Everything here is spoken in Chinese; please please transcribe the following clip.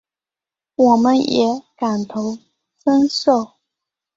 我们也感同身受